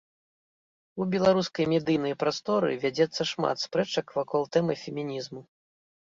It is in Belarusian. У беларускай медыйнай прасторы вядзецца шмат спрэчак вакол тэмы фемінізму.